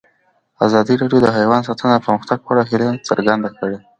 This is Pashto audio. ازادي راډیو د حیوان ساتنه د پرمختګ په اړه هیله څرګنده کړې.